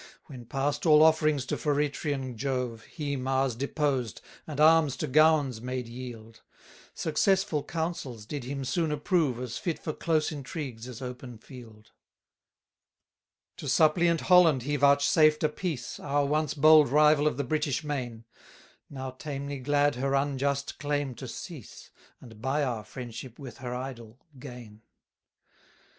20 When past all offerings to Feretrian Jove, He Mars deposed, and arms to gowns made yield; Successful councils did him soon approve As fit for close intrigues, as open field. 21 To suppliant Holland he vouchsafed a peace, Our once bold rival of the British main, Now tamely glad her unjust claim to cease, And buy our friendship with her idol, gain.